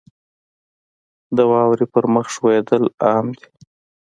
• د واورې پر مخ ښویېدل عام دي.